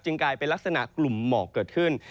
กลายเป็นลักษณะกลุ่มหมอกเกิดขึ้น